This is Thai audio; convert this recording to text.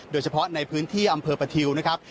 โดยเฉพาะในพื้นที่อำเภอประทิวนะครับ